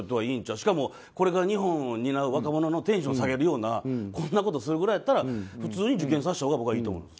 しかもこれから日本を担う若者のテンションを下げるようなこんなことをさせるくらいなら普通に受験させたほうが僕はいいと思います。